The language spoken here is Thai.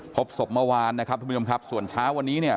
พบศพเมื่อวานนะครับทั้งหมดส่วนช้าวันนี้